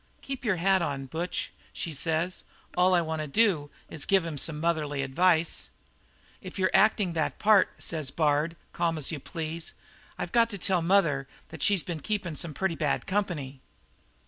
"'Keep your hat on, Butch,' she says, 'all I want to do is to give him some motherly advice.' "'If you're acting that part,' says Bard, calm as you please, 'I've got to tell mother that she's been keeping some pretty bad company.'